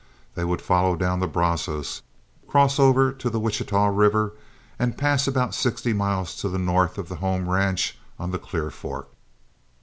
They would follow down the Brazos, cross over to the Wichita River, and pass about sixty miles to the north of the home ranch on the Clear Fork.